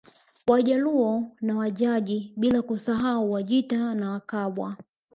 Wajaluo na Wajiji bila kusahau Wajita na Wakabwa